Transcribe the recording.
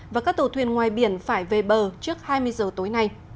và các tàu thuyền ngoài biển phải về bờ trước hai mươi giờ tối nay